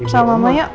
sama mama yuk